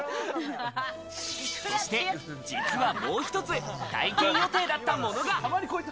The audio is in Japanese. そして、実はもう一つ体験予定だったものが。